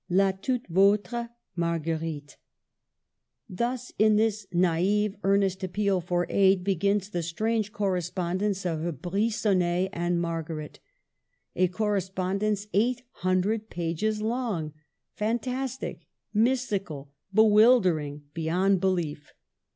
La toute vostre, Marguerite. Thus In this naive, earnest appeal for aid begins the strange correspondence of Brigonnet and Margaret, — a correspondence eight hun dred pages long ; fantastic, mystical, bewilder ing, beyond belief.